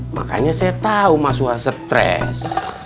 makanya saya tahu mas wa stres